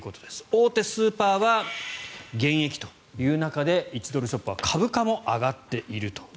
大手スーパーは減益という中で１ドルショップは株価も上がっていると。